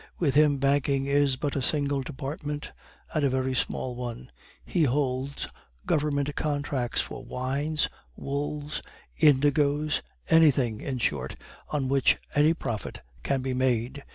With him banking is but a single department, and a very small one; he holds Government contracts for wines, wools, indigoes anything, in short, on which any profit can be made.